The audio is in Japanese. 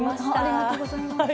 ありがとうございます。